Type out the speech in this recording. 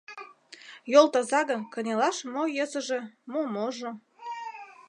Йол таза гын, кынелаш мо йӧсыжӧ, мо-можо...